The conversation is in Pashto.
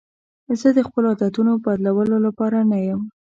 زه د خپلو عادتونو بدلولو لپاره نه یم.